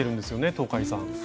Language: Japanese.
東海さん。